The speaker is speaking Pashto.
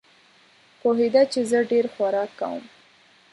پوهېده چې زه ډېر خوراک کوم.